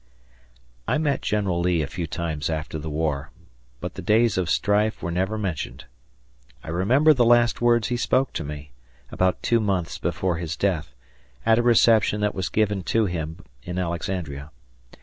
I met General Lee a few times after the war, but the days of strife were never mentioned. I remember the last words he spoke to me, about two months before his death, at a reception that was given to him in Alexandria.